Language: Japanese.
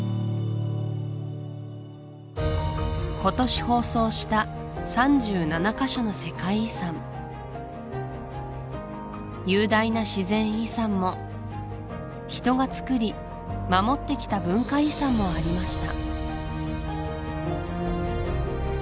今年放送した３７か所の世界遺産雄大な自然遺産も人が造り守ってきた文化遺産もありました